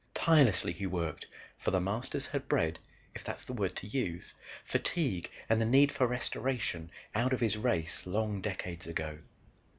Tirelessly he worked, for The Masters had bred, if that is the word to use, fatigue and the need for restoration out of his race long decades ago.